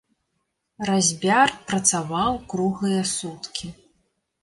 Разьбяр працаваў круглыя суткі.